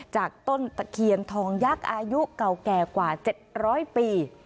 จากต้นตะเคียนทองยักษ์อายุเก่าแก่กว่า๗๐๐ปี